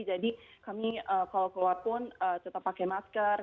jadi kami kalau keluar pun tetap pakai masker